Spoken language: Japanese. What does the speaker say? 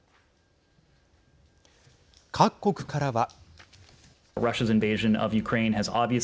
各国からは。